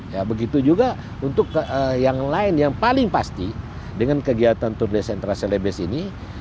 ya begitu juga untuk yang lain yang paling pasti dengan kegiatan tour de centra celebes ini